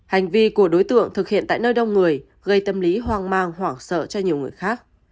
hành vi của đối tượng thực hiện tại nơi đông người gây tâm lý hoang mang hoảng sợ cho nhiều người khác